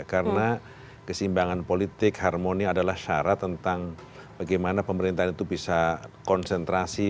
karena keseimbangan politik harmoni adalah syarat tentang bagaimana pemerintahan itu bisa konsentrasi